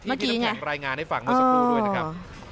พี่น้ำแข็งรายงานให้ฟังเมื่อสักครู่ด้วยนะครับ